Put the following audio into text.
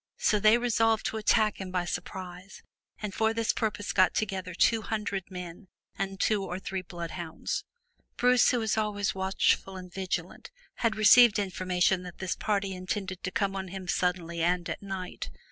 So they resolved to attack him by surprise, and for this purpose got together two hundred men and two or three bloodhounds. Bruce who was always watchful and vigilant, had received infor mation that this party intended to come on him suddenly and by night.